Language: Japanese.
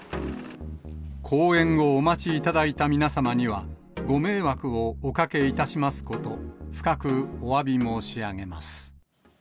公演をお待ちいただいた皆様にはご迷惑をおかけいたしますこと、深くおわび申し上げます。